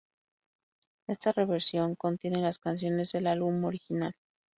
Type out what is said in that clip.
Esta reversión, contiene las canciones del álbum original.